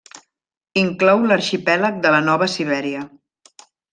Inclou l'arxipèlag de la Nova Sibèria.